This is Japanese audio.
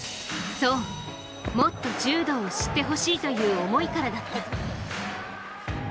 そう、もっと柔道を知ってほしいという思いからだった。